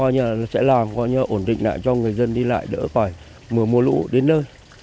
nó sẽ làm ổn định lại cho người dân đi lại đỡ phải mưa mùa lũ đến nơi